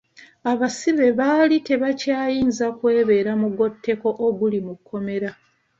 Abasibe baali tebakyayinza kwebeera mugoteeko oguli mu kkomera.